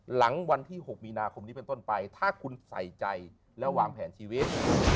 หลังวันที่๖มีนาคมนี้เป็นต้นไปถ้าคุณใส่ใจและวางแผนชีวิต